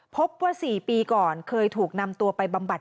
พบว่า๔ปีก่อนเคยถูกนำตัวไปบำบัด